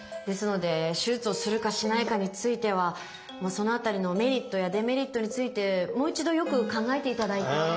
ですので手術をするかしないかについてはその辺りのメリットやデメリットについてもう一度よく考えていただいて。